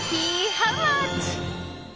ハウマッチ。